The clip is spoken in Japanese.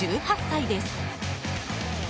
１８歳です。